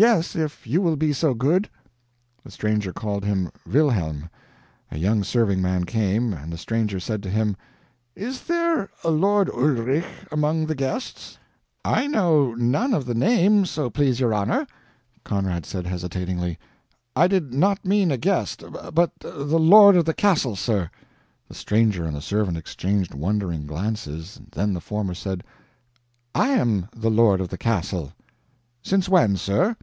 "Yes if you will be so good." The stranger called "Wilhelm!" A young serving man came, and the stranger said to him: "Is there a lord Ulrich among the guests?" "I know none of the name, so please your honor." Conrad said, hesitatingly: "I did not mean a guest, but the lord of the castle, sir." The stranger and the servant exchanged wondering glances. Then the former said: "I am the lord of the castle." "Since when, sir?"